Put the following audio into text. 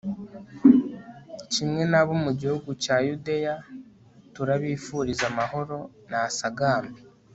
kimwe n'abo mu gihugu cya yudeya, turabifuriza amahoro, nasagambe